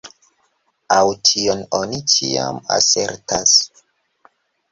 Aŭ tion oni ĉiam asertas.